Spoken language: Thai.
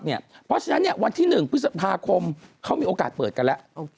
เพราะฉะนั้นวันที่๑พฤษภาคมเขามีโอกาสเปิดกันแล้ว